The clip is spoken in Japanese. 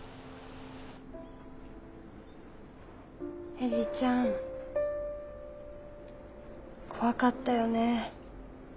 映里ちゃん怖かったよね。